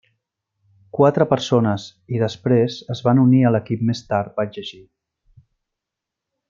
Quatre persones i després es van unir a l'equip més tard vaig llegir.